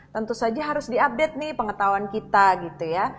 tentu saja harus diupdate nih pengetahuan kita gitu ya